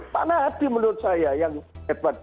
pak nadie menurut saya yang hebat